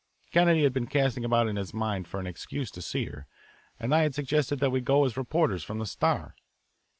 Kennedy had been casting about in his mind for an excuse to see her, and I had suggested that we go as reporters from the Star.